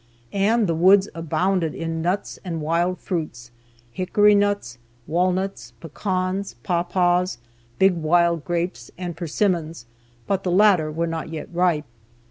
And the woods abounded in nuts and wild fruits; hickory nuts, walnuts, pecans, pawpaws, big wild grapes, and persimmons, but the latter were not yet ripe.